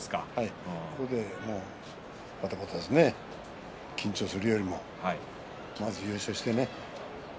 ここで、ばたばた緊張するよりもまず優勝してね。